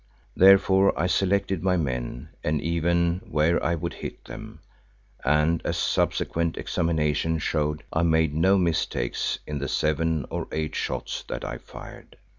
Therefore I selected my men and even where I would hit them, and as subsequent examination showed, I made no mistakes in the seven or eight shots that I fired.